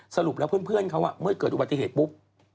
สรุปแล้วเพื่อนเขาเมื่อเกิดอุบัติเหตุปุ๊บ